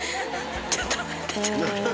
ちょっと待って。